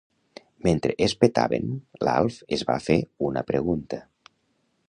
Mentre es petaven, l'Alf es va fer una pregunta.